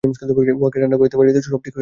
উহাকে ঠাণ্ডা করিতে পারিলেই সব ঠিক হইয়া যাইবে।